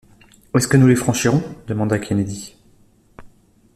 Est-ce que nous les franchirons? demanda Kennedy.